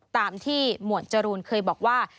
ตามที่หมวดจรูนเคยบอกว่า